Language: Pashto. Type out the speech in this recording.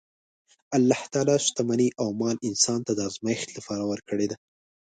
الله تعالی شتمني او مال انسان ته د ازمایښت لپاره ورکړې ده.